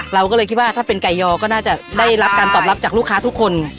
เราก็เลยคิดว่าถ้าเป็นไก่ยอก็น่าจะได้รับการตอบรับจากลูกค้าทุกคน